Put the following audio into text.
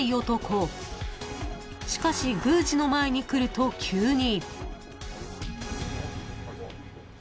［しかし宮司の前に来ると急に］